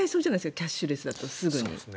キャッシュレスだとすぐに。